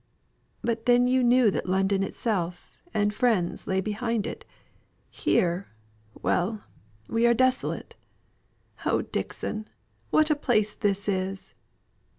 "But then you knew that London itself, and friends lay behind it. Here well! we are desolate. Oh Dixon, what a place this is!"